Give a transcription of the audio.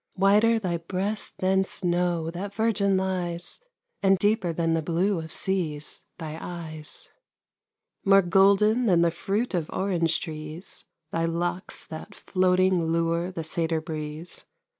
Whiter thy breast than snow That virgin lies, And deeper than the blue Of seas thy eyes. More golden than the fruit Of orange trees, Thy locks that floating lure The satyr breeze.